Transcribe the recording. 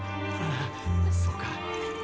ああそうか。